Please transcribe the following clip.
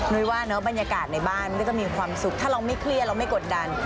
ุ้ยว่าเนอะบรรยากาศในบ้านนุ้ยจะมีความสุขถ้าเราไม่เครียดเราไม่กดดัน